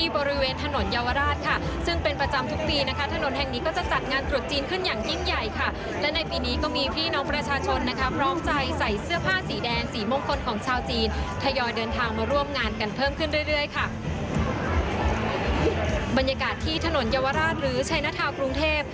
บรรยากาศถนนเยาวราชหรือชัยนทาวน์กรุงเทพ